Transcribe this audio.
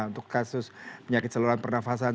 untuk kasus penyakit saluran pernafasan